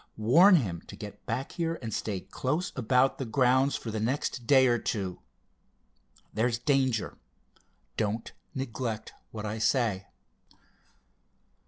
Warn him to get back here, and stay close about the grounds for the next day or two. There's danger! Don't neglect what I say."